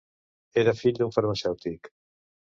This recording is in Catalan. Era fill d'un farmacèutic.